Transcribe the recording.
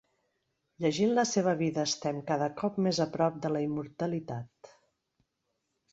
Llegint la seva vida estem cada cop més a prop de la immortalitat.